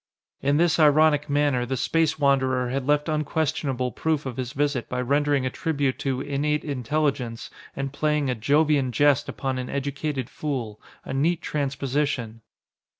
In this ironic manner the Space Wanderer had left unquestionable proof of his visit by rendering a tribute to "innate intelligence" and playing a Jovian Jest upon an educated fool a neat transposition.